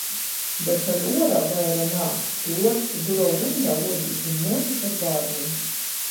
Bet ari uorā vaira nā. Pi uorsta durovu ryndā, ruodīs, viņ muotis ar bārnim.